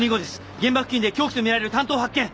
現場付近で凶器とみられる短刀を発見。